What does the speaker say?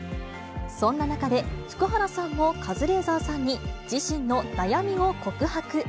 そんな中で、福原さんもカズレーザーさんに、自身の悩みを告白。